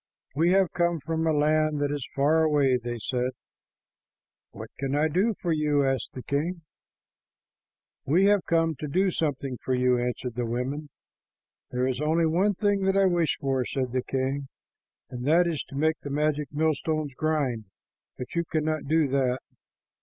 "We have come from a land that is far away," they said. "What can I do for you?" asked the king. "We have come to do something for you," answered the women. "There is only one thing that I wish for," said the king, "and that is to make the magic millstones grind, but you cannot do that."